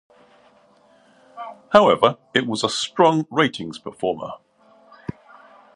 However it was a strong ratings performer.